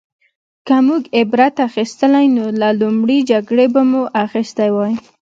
که موږ عبرت اخیستلی نو له لومړۍ جګړې به مو اخیستی وای